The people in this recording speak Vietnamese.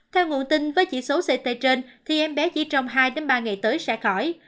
theo nguồn tin với chỉ số ct trên thì em bé chỉ trong hai ba ngày tới sẽ khỏi